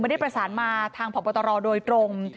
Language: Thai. ได้ประสานมาทางพบตรโดยตรง